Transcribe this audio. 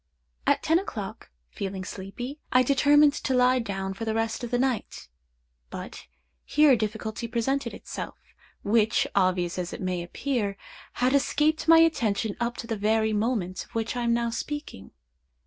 "At ten o'clock, feeling sleepy, I determined to lie down for the rest of the night; but here a difficulty presented itself, which, obvious as it may appear, had escaped my attention up to the very moment of which I am now speaking.